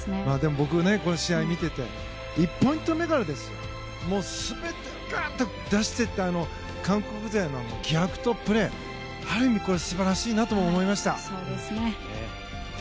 僕、試合を見ていて１ポイント目から全てを出していった韓国勢の気迫とプレーある意味素晴らしいなと思いました。